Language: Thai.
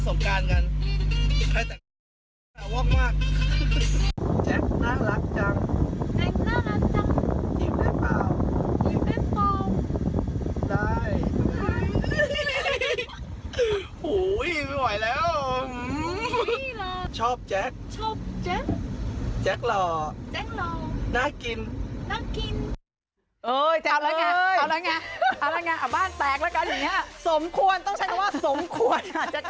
สมควรยังแต่ว่าสมควร